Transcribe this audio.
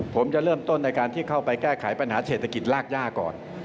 ผมจะเริ่มต้นในการที่เข้าไปแก้ไขปัญหาเศรษฐกิจรากย่าก่อน